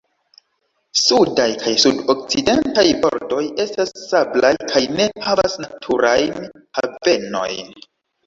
Sudaj kaj sud-okcidentaj bordoj estas sablaj kaj ne havas naturajn havenojn.